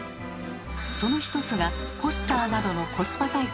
その一つがポスターなどのコスパ対策です。